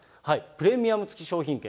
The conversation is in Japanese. プレミアム付商品券。